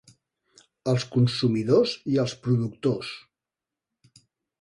Els consumidors i els productors.